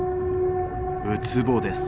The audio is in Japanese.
ウツボです。